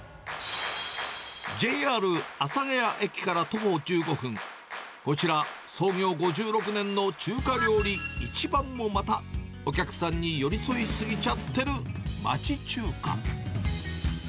ＪＲ阿佐ヶ谷駅から徒歩１５分、こちら、創業５６年の中華料理一番も、またお客さんに寄り添いすぎちゃってる町中華。